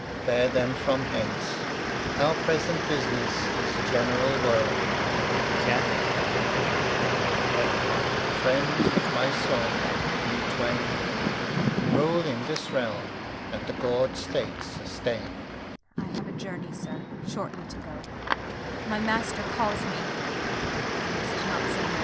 He but usurp'd his life. Alb. Bear them from hence. Our present business Is general woe. [To Kent and Edgar] Friends of my soul, you twain Rule in this realm, and the gor'd state sustain.